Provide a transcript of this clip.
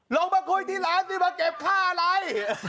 ลงมาคุยที่ร้านสิมาเก็บค่าอะไร